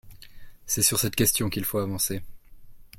C’est sur cette question qu’il faut avancer.